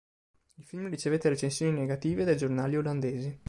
Il film ricevette recensioni negative dai giornali olandesi.